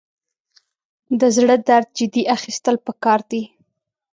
د زړه درد جدي اخیستل پکار دي.